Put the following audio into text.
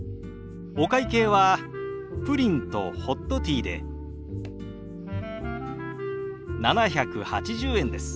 お会計はプリンとホットティーで７８０円です。